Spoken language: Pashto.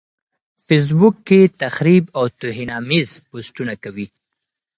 فېس بوک کې تخريب او توهيناميز پوسټونه کوي.